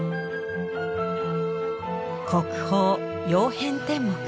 国宝「曜変天目」。